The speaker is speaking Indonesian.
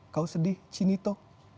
kau sedih chinito